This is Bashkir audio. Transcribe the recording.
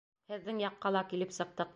Һеҙҙең яҡҡа ла килеп сыҡтыҡ.